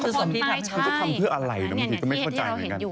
คือศพทำเพื่ออะไรก็ไม่เข้าใจ